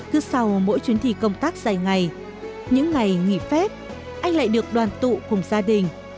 cứ sau mỗi chuyến thi công tác dài ngày những ngày nghỉ phép anh lại được đoàn tụ cùng gia đình